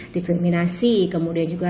diskriminasi kemudian juga